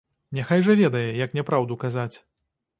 Няхай жа ведае, як няпраўду казаць.